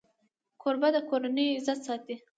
کوربه د کورنۍ عزت ساتي.